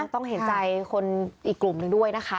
ต้องเห็นใจคนอีกกลุ่มหนึ่งด้วยนะคะ